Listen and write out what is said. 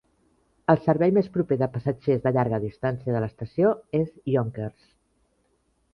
El servei més proper de passatgers de llarga distància de l'estació és Yonkers.